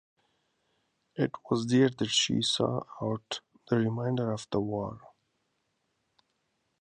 It was here that she saw out the remainder of the war.